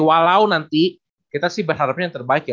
walau nanti kita sih berharapnya yang terbaik ya